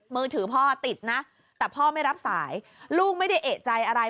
มือถือพ่อติดนะแต่พ่อไม่รับสายลูกไม่ได้เอกใจอะไร